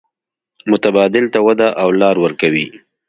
متبادل ته وده او لار ورکوي.